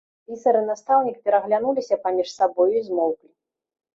Пісар і настаўнік пераглянуліся паміж сабою і змоўклі.